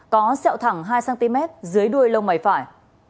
có sẹo thẳng hai cm dưới đuôi lông mày phải